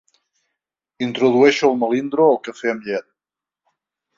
Introdueixo el melindro al cafè amb llet.